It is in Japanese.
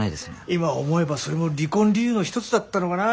今思えばそれも離婚理由の一つだったのかな。